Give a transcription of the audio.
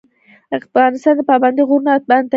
افغانستان په پابندی غرونه باندې تکیه لري.